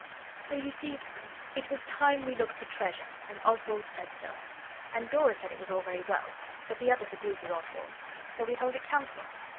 So you see it was time we looked for treasure and Oswald said so, and Dora said it was all very well. But the others agreed with Oswald. So we held a council.